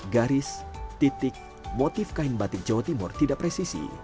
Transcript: garis titik motif kain batik jawa timur tidak presisi